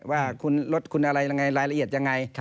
ว่ารถคุณอะไรรายละเอียดยังไง